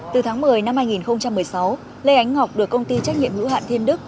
từ tháng một mươi năm hai nghìn một mươi sáu lê ánh ngọc được công ty trách nhiệm hữu hạn thiên đức